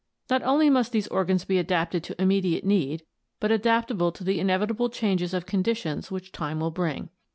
Not only must these organs be adapted to immediate need, but adaptable to the inevitable changes of conditions which time will bring.